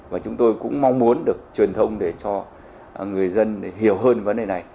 và chúng tôi cũng mong muốn được truyền thông để cho người dân hiểu hơn vấn đề này